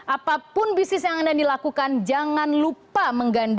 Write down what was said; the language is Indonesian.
apapun bisnis yang anda dilakukan jangan lupa menggandeng ini